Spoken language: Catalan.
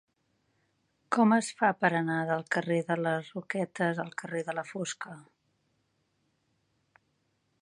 Com es fa per anar del carrer de les Roquetes al carrer de la Fosca?